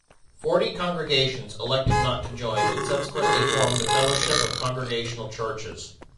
Forty congregations elected not to join, and subsequently formed the Fellowship of Congregational Churches.